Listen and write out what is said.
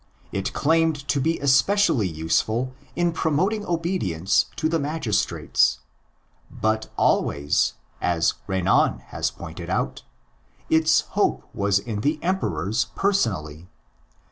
It claimed to be especially useful in promoting obedience to the magistrates. But always, as Renan has pointed out, its hope was in the Emperors personally.